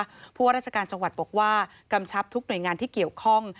เพราะว่าราชการจังหวัดบอกว่ากำชับทุกหน่วยงานที่เกี่ยวข้อง